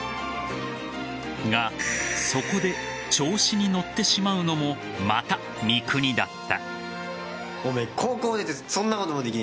が、そこで調子に乗ってしまうのもまた三國だった。